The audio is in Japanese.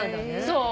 そう。